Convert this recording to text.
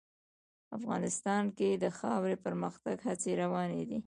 افغانستان کې د خاوره د پرمختګ هڅې روانې دي.